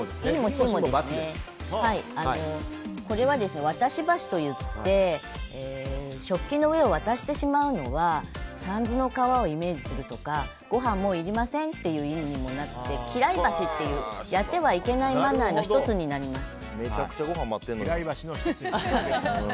これは渡し箸といって食器の上を渡してしまうのは三途の川をイメージするとかごはんはもういりませんという意味になって嫌い箸というやってはいけないマナーの１つになります。